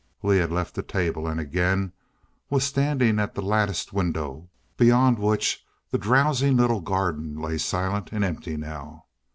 Lee had left the table and again was standing at the latticed window, beyond which the drowsing little garden lay silent, and empty now.